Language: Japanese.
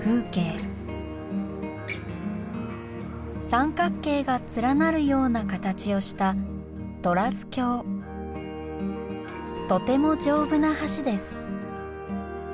三角形が連なるような形をしたとてもじょうぶな橋です。